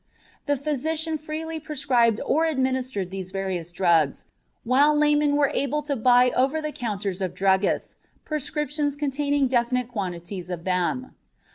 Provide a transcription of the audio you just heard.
The physician freely prescribed or administered these various drugs, while laymen were able to buy over the counters of druggists prescriptions containing definite quantities of them.